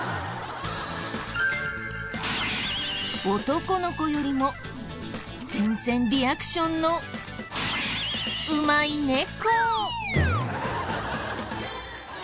男の子よりも全然リアクションのうまい猫。